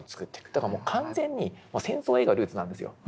だからもう完全に戦争映画がルーツなんですよ。